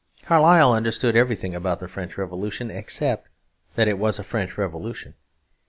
Carlyle understood everything about the French Revolution, except that it was a French revolution.